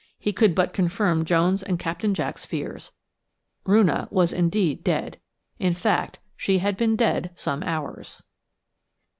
He could but confirm Joan's and Captain Jack's fears. Roonah was indeed dead–in fact, she had been dead some hours.